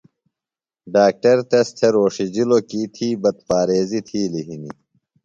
ڈاکٹر تس تھےۡ روݜِجِلوۡ کی تھی بد پاریزیۡ تِھیلیۡ ہِنیۡ۔